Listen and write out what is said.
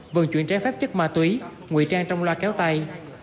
vận chuyển trái phép chất ma túy nguy trang trong loa kéo tay